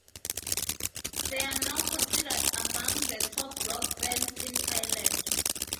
They are now considered among the top rock bands in Thailand.